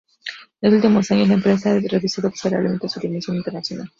En los últimos años la empresa ha reducido considerablemente su dimensión internacional.